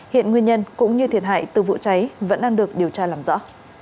hiện nguyên nhân cũng như thiệt hại từ vụ cháy vẫn đang được điều tra làm rõ